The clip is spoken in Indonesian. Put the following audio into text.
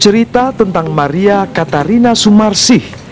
cerita tentang maria katarina sumarsih